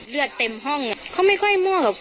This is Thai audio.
เลือดเต็มห้องเขาไม่ค่อยมั่ว